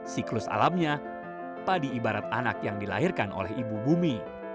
siklus alamnya padi ibarat anak yang dilahirkan oleh ibu bumi